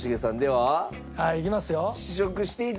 はいいきますよ。